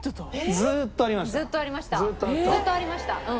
ずっとありましたうん。